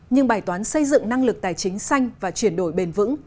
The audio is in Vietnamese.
nhưng bài toán xây dựng năng lực tài chính xanh và chuyển đổi bền vững